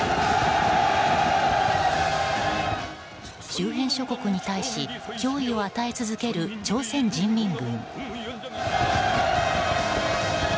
周辺諸国に対し脅威を与え続ける朝鮮人民軍。